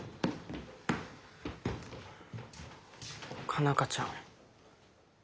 佳奈花ちゃん。